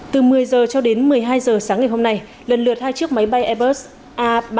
từ một mươi giờ cho đến một mươi hai giờ sáng ngày hôm nay lần lượt hai chiếc máy bay airbus a ba trăm hai mươi một